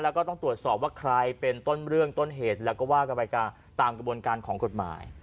แล้วก็ต้องตรวจสอบว่าใครเป็นต้นเรื่องต้นเหตุแล้วก็ว่ากันไปตามกระบวนการของกฎหมาย